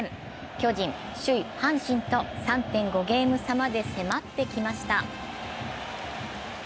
巨人、首位・阪神と３．５ゲーム差まで迫ってきました。